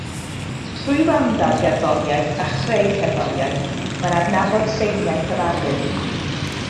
Trwy wrando ar gerddoriaeth a chreu cerddoriaeth, mae'n adnabod seiniau cyfarwydd